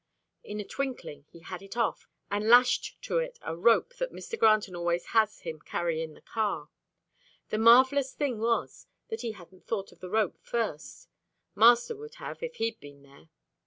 In a twinkling, he had it off, and lashed to it a rope that Mr. Granton always has him carry in the car. The marvellous thing was, that he hadn't thought of the rope at first. Master would have, if he'd been there.